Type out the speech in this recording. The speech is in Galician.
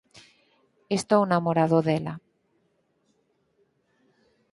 Estou namorado dela...